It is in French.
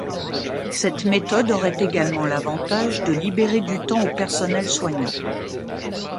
Cette méthode aurait également l’avantage de libérer du temps au personnel soignant.